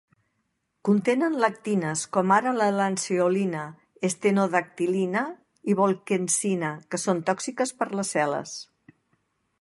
Contenen lectines com ara la lanceolina, estenodactilina i volquensina, que són tòxiques per les cel·les.